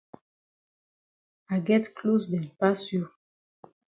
I get closs dem pass you.